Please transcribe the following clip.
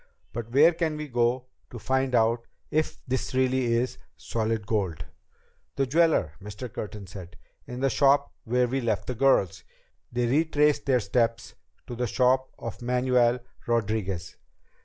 But where can we go to find out if this really is solid gold?" "The jeweler," Mr. Curtin said, "in the shop where we left the girls." They retraced their steps to the shop of Manuel Rodriguez.